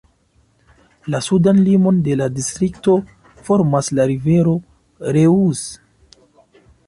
La sudan limon de la distrikto formas la rivero Reuss.